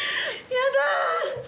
やだ！